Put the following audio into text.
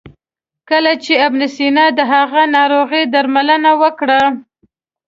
کله چې ابن سینا د هغه ناروغي درملنه وکړه.